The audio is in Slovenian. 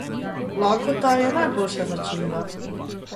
Lakota je najboljša začimba.